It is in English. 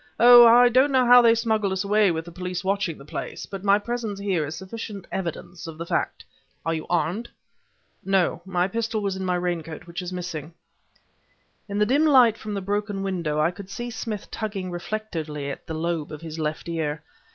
Oh! I don't know how they smuggled us away with the police watching the place; but my presence here is sufficient evidence of the fact. Are you armed?" "No; my pistol was in my raincoat, which is missing." In the dim light from the broken window, I could see Smith tugging reflectively at the lobe of his left ear.